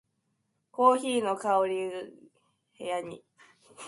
コーヒーの香りが部屋に広がる